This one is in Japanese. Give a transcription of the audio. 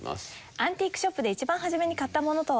アンティークショップで一番初めに買ったものとは？